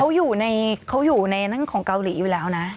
เขาอยู่ในเขาอยู่ในนั้นของเกาหลีอยู่แล้วนะ